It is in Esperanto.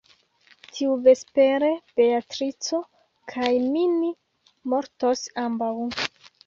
Tiuvespere Beatrico kaj mi ni mortos ambaŭ.